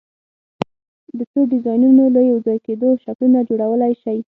د څو ډیزاینونو له یو ځای کېدو شکلونه جوړولی شئ؟